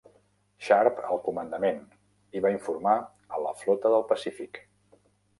Sharp al comandament; i va informar a la Flota del Pacífic.